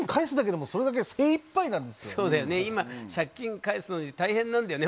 今借金返すのに大変なんだよね